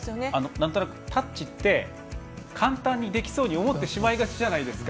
なんとなくタッチって簡単にできそうって思ってしまいがちじゃないですか。